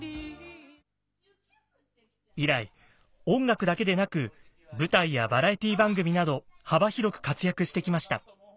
以来音楽だけでなく舞台やバラエティー番組など幅広く活躍してきました。